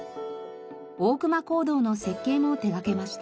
大隈講堂の設計も手掛けました。